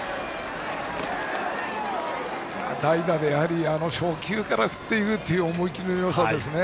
代打で初球から振っていくという思い切りのよさですね。